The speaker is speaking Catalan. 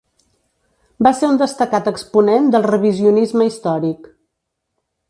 Va ser un destacat exponent del revisionisme històric.